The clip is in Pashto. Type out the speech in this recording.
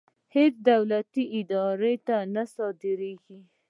هېڅ دولتي ادارې ته نه صادرېږي.